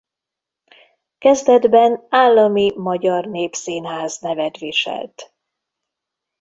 Kezdetben Állami Magyar Népszínház nevet viselt.